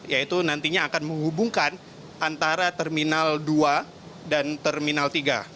yaitu nantinya akan menghubungkan antara terminal dua dan terminal tiga